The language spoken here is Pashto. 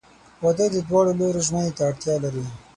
• واده د دواړو لورو ژمنې ته اړتیا لري.